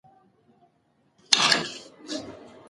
هغه چا چې رښتیا ویلي، تل یې عزت شوی دی.